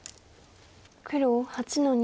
黒８の二。